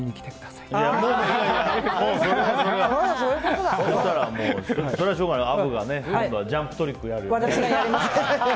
そうしたらアブがジャンプトリックをやる。